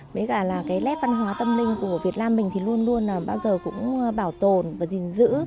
với cả là cái nét văn hóa tâm linh của việt nam mình thì luôn luôn bao giờ cũng bảo tồn và gìn giữ